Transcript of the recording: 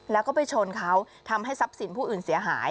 แล้วก็ไปชนเขาทำให้ทรัพย์สินผู้อื่นเสียหาย